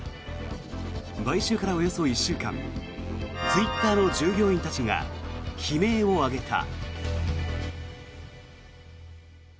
買収からおよそ１週間ツイッターの従業員たちが悲鳴を上げた。